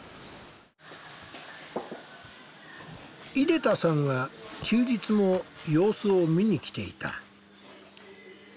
出田さんは休日も様子を見に来ていた。